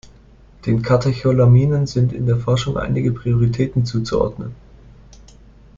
Den Katecholaminen sind in der Forschung einige Prioritäten zuzuordnen.